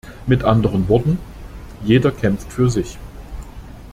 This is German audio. Mit anderen Worten, jeder kämpft für sich.